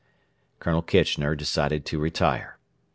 Colonel Kitchener decided to retire.